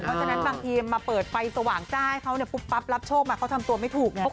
เพราะฉะนั้นบางทีมาเปิดไฟสว่างจ้าให้เขาปุ๊บปั๊บรับโชคมาเขาทำตัวไม่ถูกไง